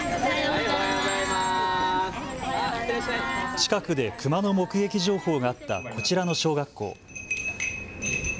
近くでクマの目撃情報があったこちらの小学校。